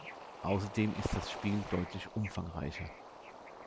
Außerdem ist das Spiel deutlich umfangreicher.